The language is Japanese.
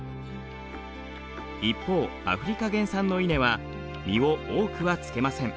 一方アフリカ原産の稲は実を多くはつけません。